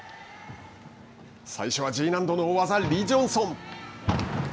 最初はＧ難度の大技リ・ジョンソン。